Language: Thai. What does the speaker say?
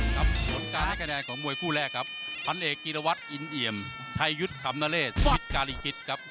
การให้คะแนนของมวยคู่แรกครับพันธุ์เอกกิรวัตรอินเอียมไทยุทธ์คำนาเลสวิทธิ์กาลีคริสต์ครับ